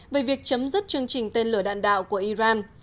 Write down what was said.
về việc chấm dứt chương trình tên lửa đạn đạo của iran